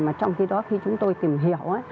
mà trong khi đó khi chúng tôi tìm hiểu